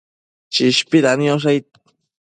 Chishpida niosh aid